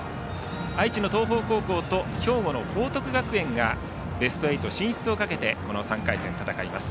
愛知の東邦高校と兵庫の報徳学園がベスト８進出をかけてこの３回戦、戦います。